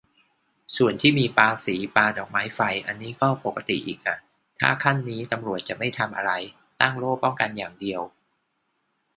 ส่วนที่มีปาสี ปาดอกไม้ไฟ อันนี้ก็ปกติอีกอ่ะ ถ้าขั้นนี้ตำรวจจะไม่ทำอะไร ตั้งโล่ป้องกันอย่างเดียว